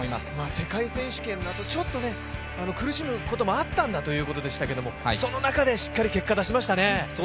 世界選手権のあとちょっと苦しむこともあったんだということですけれども、その中でしっかり結果、出しましたね。